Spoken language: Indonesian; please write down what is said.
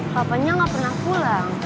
papanya gak pernah pulang